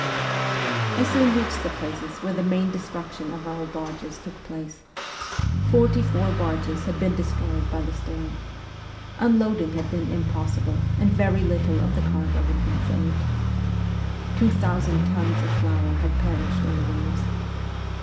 I soon reached the places where the main destruc tion of our barges took place. Forty four barges had been destroyed, by the storm. Unloading had been impossible, and very little of the cargo had been saved. Two thousand tons of flour had perished in the waves.